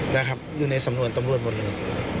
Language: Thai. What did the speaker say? นะครับอยู่ในสำนวนตำรวจหมดเลย